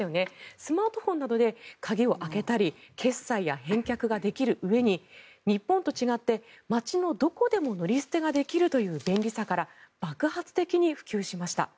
スマートフォンなどで鍵を開けたり決済や返却ができるうえに日本と違って街のどこでも乗り捨てができるという便利さから爆発的に普及しました。